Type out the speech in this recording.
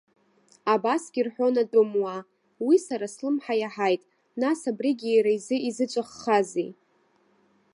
Абасгьы рҳәон атәымуаа, уи сара слымҳа иаҳаит, нас абригьы иара изы изыҵәаххазеи!